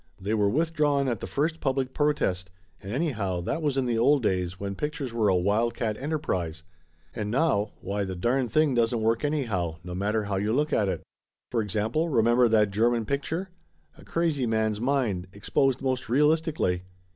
"They were withdrawn at the first public protest. And anyhow, that was in the old days when pictures were a wildcat Laughter Limited 291 enterprise. And now Why, the darn thing doesn't work anyhow, no matter how you look at it. For example, remember that German picture? A crazy man's mind, exposed most realistically.